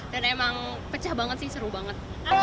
emang pecah banget sih seru banget